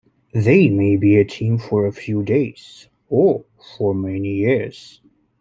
They may be a team for a few days, or for many years.